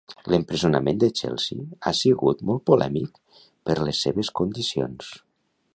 L'empresonament de Chelsea ha sigut molt polèmic per les seves condicions.